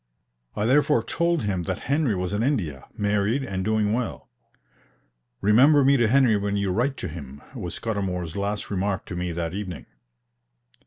I therefore told him that Henry was in India, married, and doing well. "Remember me to Henry when you write to him," was Scudamour's last remark to me that evening.